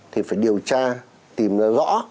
thì phải điều tra tìm ra rõ